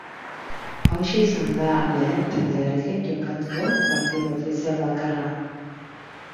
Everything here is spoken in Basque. Hauxe izan da, lehen taldearekin jokatu duen partidu ofizial bakarra.